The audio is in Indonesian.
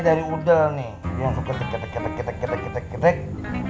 dari udal nih langsung ketik ketik ketik ketik ketik ketik ketik ketik